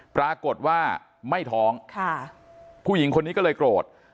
ปรากฏว่าไม่ท้องผู้หญิงคนนี้ก็เลยโกรธ